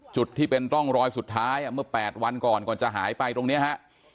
จุดที่เป็นร่องรอยสุดท้ายเมื่อ๘วันก่อนก่อนจะหายไปตรงนี้ฮะ